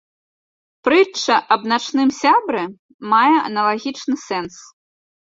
Прытча аб начным сябры мае аналагічны сэнс.